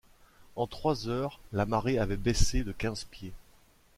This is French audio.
En trois heures, la marée avait baissé de quinze pieds.